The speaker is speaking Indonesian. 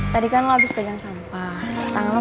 tadi kan lo abis bajang sampah